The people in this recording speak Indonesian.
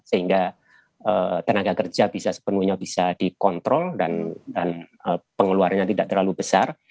sehingga tenaga kerja bisa sepenuhnya bisa dikontrol dan pengeluarannya tidak terlalu besar